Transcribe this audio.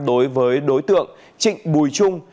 đối với đối tượng trịnh bùi trung